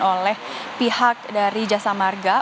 oleh pihak dari jasa marga